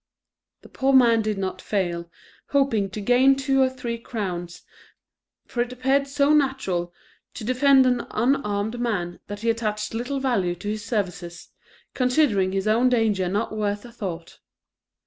The poor man did not fail, hoping to gain two or three crowns; for it appeared so natural to defend an unarmed man that he attached little value to his services, considering his own danger not worth a thought.